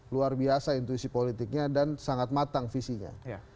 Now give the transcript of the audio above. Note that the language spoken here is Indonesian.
luar biasa intuisi politiknya dan sangat matang visinya